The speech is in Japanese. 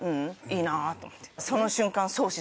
いいなと思って。